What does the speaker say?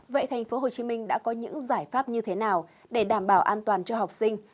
vậy tp hcm đã có những giải pháp như thế nào để đảm bảo an toàn cho học sinh